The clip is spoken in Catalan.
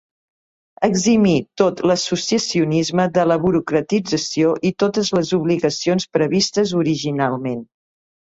Eximir tot l’associacionisme de la burocratització i totes les obligacions previstes originalment.